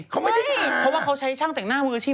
เขาไม่ได้มีเพราะว่าเขาใช้ช่างแต่งหน้ามืออาชีพ